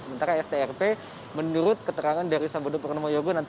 sementara strp menurut keterangan dari sabodo pernama yogo